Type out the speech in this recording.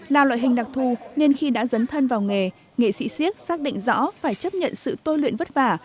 là loại hình đặc thù nên khi đã dấn thân vào nghề nghệ sĩ siếc xác định rõ phải chấp nhận sự tôi luyện vất vả